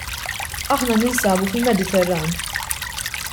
Aħna ninsabu fil-Mediterran.